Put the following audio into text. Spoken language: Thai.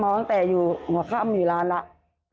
เมาตั้งแต่อยู่หัวข้ามอยู่ร้านแล้ว